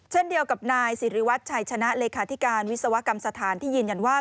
เช่นเดียวกับนายสิริวัตรชัยชนะเลขาธิการวิศวกรรมสถานที่ยืนยันว่า